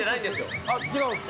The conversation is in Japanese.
違うんですか？